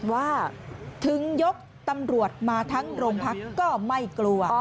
ว่าถึงยกตำรวจมาทั้งโรงพักก็ไม่กลัว